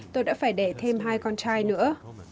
tôi đã phải đẻ thêm hai con trai nữa